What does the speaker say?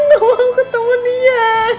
gak mau ketemu dia